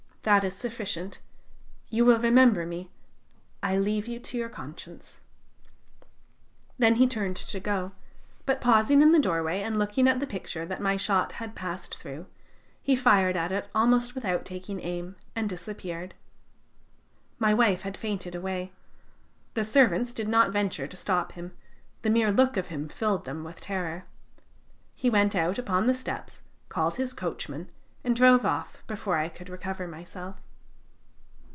That is sufficient. You will remember me. I leave you to your conscience.' "Then he turned to go, but pausing in the doorway, and looking at the picture that my shot had passed through, he fired at it almost without taking aim, and disappeared. My wife had fainted away; the servants did not venture to stop him, the mere look of him filled them with terror. He went out upon the steps, called his coachman, and drove off before I could recover myself."